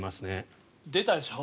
出たでしょ。